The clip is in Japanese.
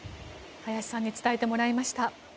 林さんに伝えてもらいました。